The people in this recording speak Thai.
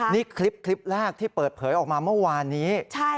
นี่คลิปแรกที่เปิดเผยออกมาเมื่อวานนี้